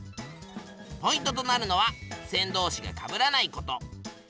ポイントとなるのはふせんどうしがかぶらないこと。